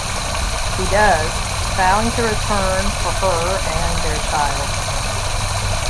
He does, vowing to return for her and their child.